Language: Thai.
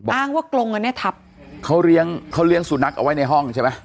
อ้างว่ากรงอันเนี้ยทับเขาเลี้ยงเขาเลี้ยงสุนัขเอาไว้ในห้องใช่ไหม